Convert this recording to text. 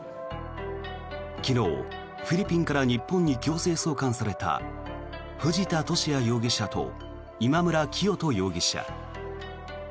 昨日、フィリピンから日本に強制送還された藤田聖也容疑者と今村磨人容疑者。